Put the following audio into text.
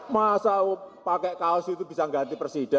masa pakai kaos itu bisa ganti presiden